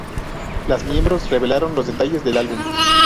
Las miembros revelaron los detalles del álbum.